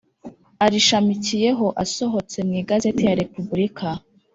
arishamikiyeho asohotse mu Igazeti ya Repubulika